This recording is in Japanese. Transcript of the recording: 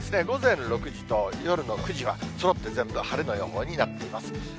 午前６時と夜の９時は、そろって全部晴れの予報になっています。